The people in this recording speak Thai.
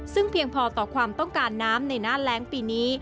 ซึ่งเพียงพอต่อความต้องการน้ำในหน้าแรงปีนี้